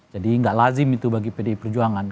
jadi gak lazim itu bagi pdi perjuangan